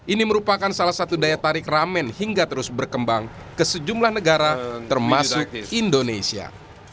ini merupakan salah satu daya tarik ramen hingga terus berkembang ke sejumlah negara termasuk indonesia